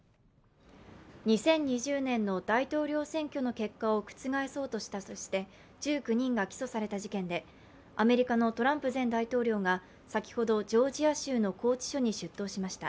２０２０年の大統領選挙の結果を覆そうとしたとして１９人が起訴された事件でアメリカのトランプ前大統領が先ほどジョージア州の拘置所に出頭しました。